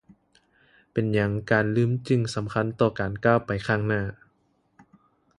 ເປັນຫຍັງການລືມຈຶ່ງສຳຄັນຕໍ່ການກ້າວໄປຂ້າງໜ້າ